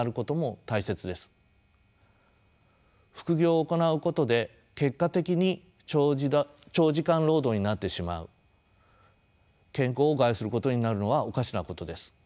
副業を行うことで結果的に長時間労働になってしまう健康を害することになるのはおかしなことです。